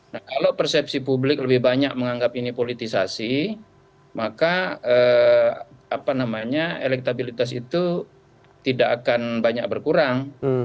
nah kalau persepsi publik lebih banyak menganggap ini politisasi maka elektabilitas itu tidak akan banyak berkurang